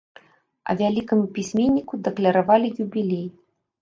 А вялікаму пісьменніку дакляравалі юбілей.